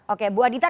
oke bu adita